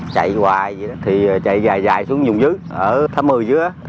chạy hoài vậy đó thì chạy dài dài xuống dùng dưới ở thăm mười dưới á